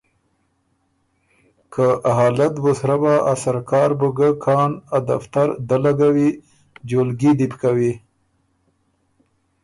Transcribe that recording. که ا حالت بُو سرۀ بَۀ، ا سرکار بُو ګۀ کان ا دفتر دۀ لګوی، جولګي دی بوکوی